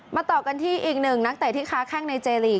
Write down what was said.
ต่อกันที่อีกหนึ่งนักเตะที่ค้าแข้งในเจลีก